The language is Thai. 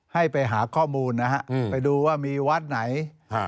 ให้ไปหาข้อมูลนะฮะไปดูว่ามีวัดไหน